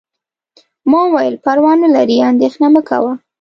ما وویل: پروا نه لري، اندیښنه مه کوه.